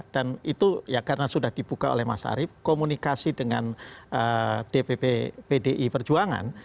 dan itu ya karena sudah dibuka oleh mas arief komunikasi dengan dpp pdi perjuangan